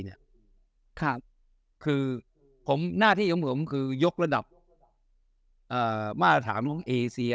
เนี่ยครับคือผมหน้าที่อย่างผมคือยกละดับมาตรฐานเอเชีย